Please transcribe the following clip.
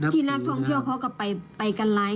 ที่นักทวงเที่ยวเขาก็ไปไกลกันร้าย